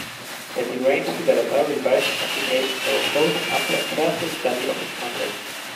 The deranged developer revised his application source code after a careful study of its contents.